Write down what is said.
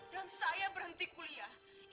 dan saya berhenti kuliah